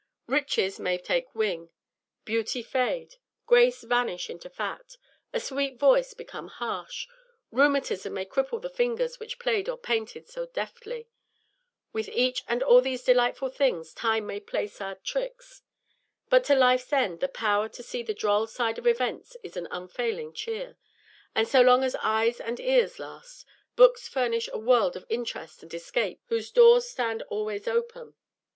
Riches may take wing, beauty fade, grace vanish into fat, a sweet voice become harsh, rheumatism may cripple the fingers which played or painted so deftly, with each and all of these delightful things time may play sad tricks; but to life's end the power to see the droll side of events is an unfailing cheer, and so long as eyes and ears last, books furnish a world of interest and escape whose doors stand always open.